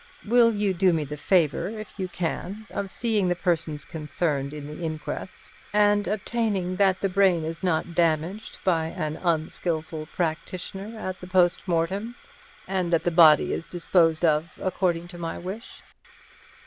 Will you do me the favour, if you can, of seeing the persons concerned in the inquest, and obtaining that the brain is not damaged by an unskillful practitioner at the post mortem, and that the body is disposed of according to my wish?